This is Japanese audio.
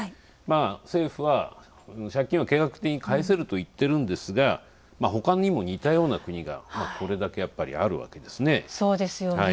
政府は借金を計画的に返せると言っているんですがほかにも似たような国がこれだけあるわけですね。